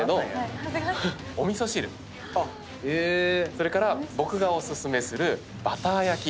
それから僕がお薦めするバター焼き。